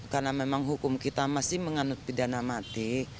karena memang hukum kita masih menganut pidana mati